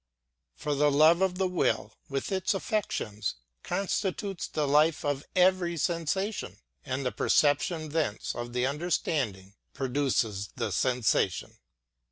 For the love of the will, with its affections, consti tutes the life of every sensation ; and the perception thence of the understanding produces the sensation.